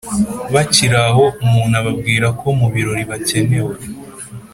bakiraho umuntu ababwirako mubirori bakenewe.